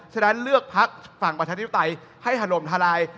ฉะนั้นเลือกภักดิ์ฝั่งประชาชนิดที่ไตรให้หล่มทาราย